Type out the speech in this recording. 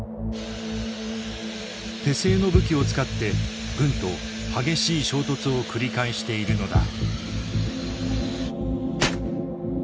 手製の武器を使って軍と激しい衝突を繰り返しているのだ。